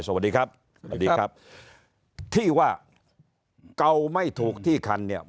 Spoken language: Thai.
สวัสดีครับที่ว่าเก่าไม่ถูกที่คันเนี่ย